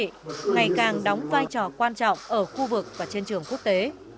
ngày càng đóng vai trò quan trọng ở khu vực và trên trường quốc tế